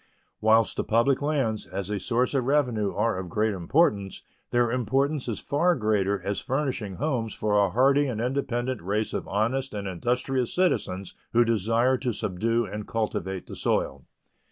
Whilst the public lands, as a source of revenue, are of great importance, their importance is far greater as furnishing homes for a hardy and independent race of honest and industrious citizens who desire to subdue and cultivate the soil.